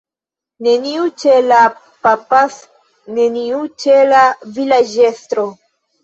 Neniu ĉe la _papas_, neniu ĉe la vilaĝestro.